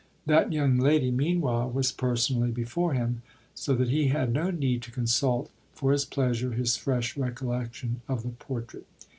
That young lady meanwhile was personally before him, so that he had no need to consult for his pleasure his fresh recollection of the portrait.